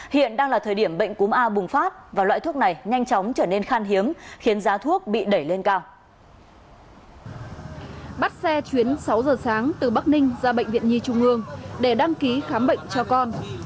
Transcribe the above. hiện đang là thời điểm bệnh cúm a bùng phát và loại thuốc này nhanh chóng trở nên khan hiếm khiến giá thuốc bị đẩy lên cao